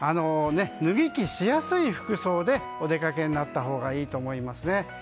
脱ぎ着しやすい服装でお出かけになったほうがいいと思いますね。